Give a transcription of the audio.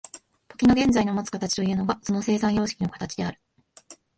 時の現在のもつ形というのがその生産様式の形である。